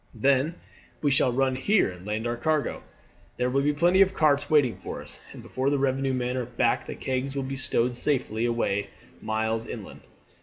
Then we shall run here and land our cargo. There will be plenty of carts waiting for us, and before the revenue men are back the kegs will be stowed safely away miles inland.